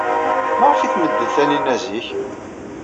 Maɣef ay tmeddel Taninna zik?